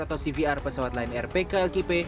atau cvr pesawat line air pkl qp